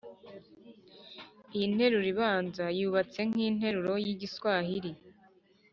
iyi nteruro ibanza yubatse nk’interuro y’igiswahiri